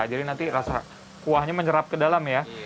jadi nanti rasa kuahnya menyerap ke dalam ya